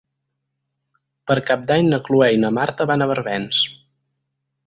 Per Cap d'Any na Cloè i na Marta van a Barbens.